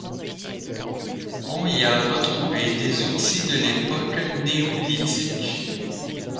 On y a retrouvé des outils de l'époque néolithique.